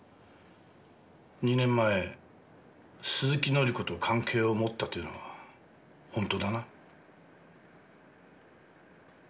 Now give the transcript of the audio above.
２年前鈴木紀子と関係を持ったというのはほんとだな？